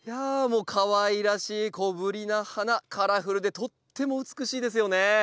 もうかわいらしい小ぶりな花カラフルでとっても美しいですよね。